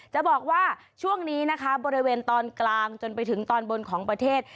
จะบอกว่าช่วงนี้นะคะบริเวณตอนกลางจนไปถึงตอนบนของประเทศ